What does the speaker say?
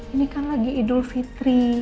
ini kan lagi idul fitri